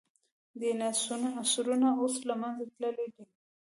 ډیناسورونه اوس له منځه تللي دي